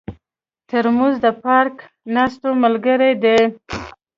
ترموز د پارک ناستو ملګری دی.